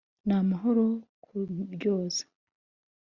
ni amahano kuryoza